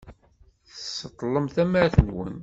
Tseṭṭlem tamart-nwen.